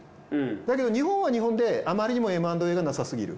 だけど日本は日本であまりにもＭ＆Ａがなさすぎる。